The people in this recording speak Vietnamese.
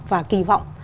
và kỳ vọng